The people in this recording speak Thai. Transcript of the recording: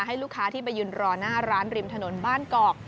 ให้ลูกค้าที่ไปยืนรอหน้าร้านริมถนนบ้านกอก